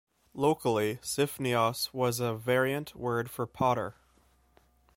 Locally, 'Sifnios' was a variant word for potter.